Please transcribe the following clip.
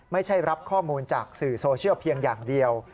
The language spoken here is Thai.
ไม่ใช่รับข้อมูลจากสื่อโซเชียลเพียงอย่างเดียว